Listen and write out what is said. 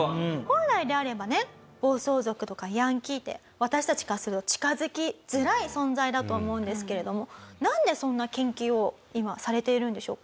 本来であればね暴走族とかヤンキーって私たちからすると近づきづらい存在だと思うんですけれどもなんでそんな研究を今されているんでしょうか？